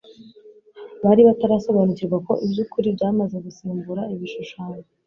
Bari batarasobanukirwa ko iby'ukuri byamaze gusimbura ibishushanyo,